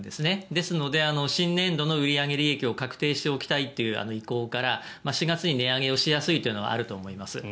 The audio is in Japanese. ですので新年度の売り上げ利益を確定しておきたいという意向から４月に値上げしやすいというのはあると思います。